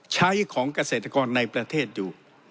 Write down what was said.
ใช้ของเกษตรกรในประเทศอยู่